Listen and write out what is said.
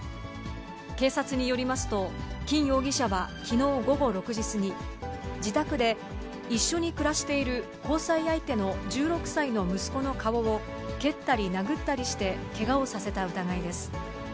警察によりますと、金容疑者はきのう午後６時過ぎ、自宅で、一緒に暮らしている交際相手の１６歳の息子の顔を蹴ったり殴ったりしてけがをさせた疑いです。